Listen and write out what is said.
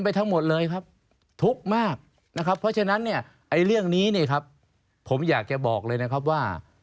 ผมอยากจะบอกเลยนะครับว่า